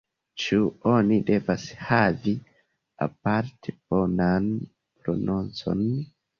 Ĉu oni devas havi aparte bonan prononcon?